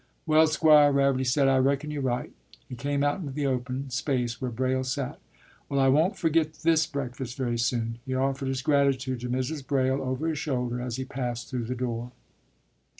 ” “Well, Squire,” Reverdy said, “I reckon you're right.” He came out into the open space where Braile sat. “Well, I won't fergit this breakfast very soon,” he offered his gratitude to Mrs. Braile over his shoulder, as he passed through the door.